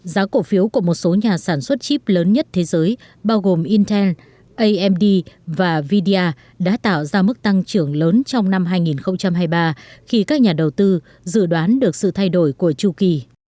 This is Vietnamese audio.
giá cổ phiếu của một số nhà sản xuất chip lớn nhất thế giới bao gồm intel amd và video đã tạo ra mức tăng trưởng lớn trong năm hai nghìn hai mươi ba khi các nhà đầu tư dự đoán được sự thay đổi của chu kỳ